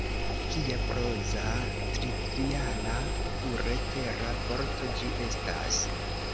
Kia proza, triviala, pure tera vorto ĝi estas!